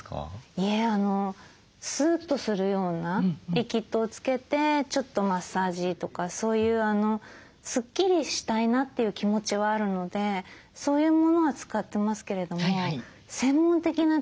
いえスーッとするようなリキッドをつけてちょっとマッサージとかそういうスッキリしたいなっていう気持ちはあるのでそういうものは使ってますけれども専門的な知識がいかんせんないですから。